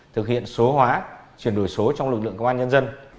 thực hiện số hóa chuyển đổi số trong lực lượng công an nhân dân